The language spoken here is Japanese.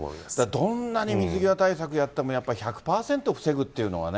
どんなに水際対策やってもやっぱり１００％防ぐというのはね。